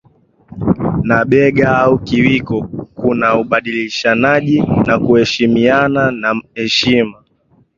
na bega au kiwiko kuna ubadilishanaji wa kuheshimiana na heshima